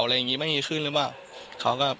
ฟังเสียงลูกจ้างรัฐตรเนธค่ะ